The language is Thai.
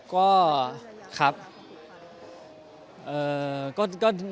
ก็คือเหมือนกับครอบครัวพี่บิ๊กก็คือเป็นครอบครัวของพี่บิ๊ม